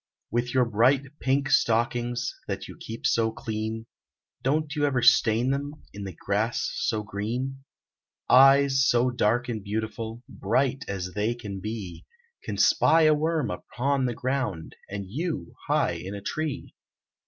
With your bright pink stockings, That you keep so clean; Don't you ever stain them In the grass so green? Eyes so dark and beautiful, Bright as they can be, Can spy a worm upon the ground, And you high in a tree.